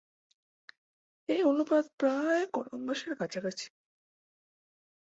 এই অনুপাত প্রায় কলম্বাসের কাছাকাছি।